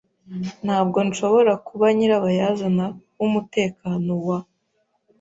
Ntabwo nshobora kuba nyirabayazana w'umutekano wa .